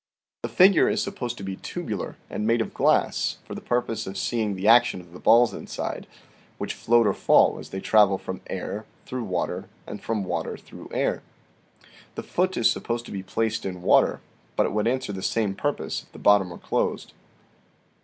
The figure is supposed to be tubular, and made of glass, for the purpose of seeing the action of the balls inside, which float or fall as they travel from air through water and from water through air. The foot is supposed to be placed in water, but it would answer the same purpose if the bottom were closed.